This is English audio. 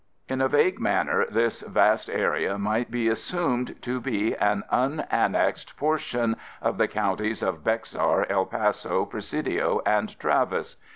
In a vague manner, this vast area might be assumed to be an unannexed portion of the counties of Bexar, El Paso, Presidio and Travis.